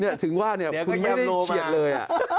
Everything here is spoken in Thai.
นี่ถึงว่าคุณไม่ได้เกียรติเลย